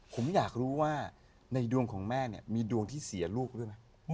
ผมอยากรู้ว่าในดวงของแม่เนี่ยมีดวงที่เสียลูกด้วยไหม